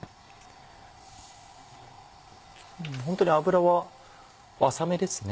ホントに油は浅めですね。